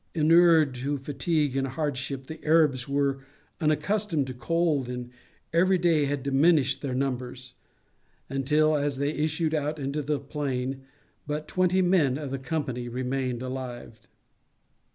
Inured to fatigue and hardship, the Arabs were unaccustomed to cold, and every day had diminished their numbers, until, as they issued out into the plain, but twenty men of the company remained alive.